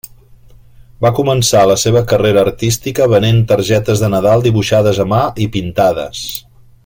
Va començar la seva carrera artística venent targetes de Nadal dibuixades a mà i pintades.